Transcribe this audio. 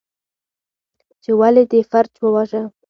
، چې ولې دې فرج وواژه؟